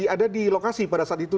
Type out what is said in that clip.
ada di lokasi pada saat itu